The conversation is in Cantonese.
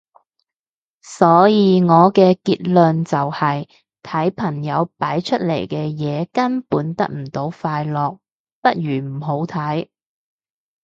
所以我嘅結論就係睇朋友擺出嚟嘅嘢根本得唔到快樂，不如唔好睇